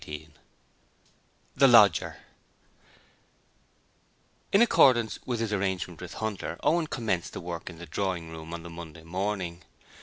Chapter 18 The Lodger In accordance with his arrangement with Hunter, Owen commenced the work in the drawing room on the Monday morning.